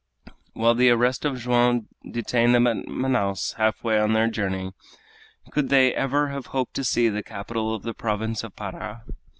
While the arrest of Joam detained them at Manaos, halfway on their journey, could they ever have hoped to see the capital of the province of Para?